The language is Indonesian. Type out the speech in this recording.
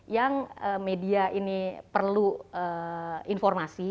yang media ini perlu informasi